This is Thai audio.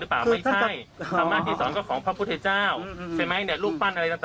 แล้วทำไมเพจในปู่เทพและอุดรถึงเอาพี่เขาไปอ้างอีกหรือคะ